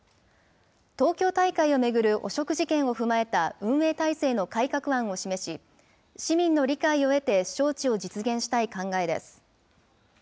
東京大会を巡る汚職事件を踏まえた運営体制の改革案を示し、市民の理解を得て招致を実現したい考えです。